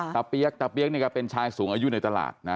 เปี๊ยกตาเปี๊ยกนี่ก็เป็นชายสูงอายุในตลาดนะ